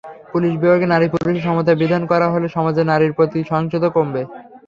Police বিভাগে নারী-পুরুষের সমতা বিধান করা হলে সমাজে নারীর প্রতি সহিংসতা কমবে।